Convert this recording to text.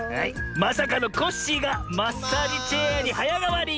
まさかのコッシーがマッサージチェアにはやがわり！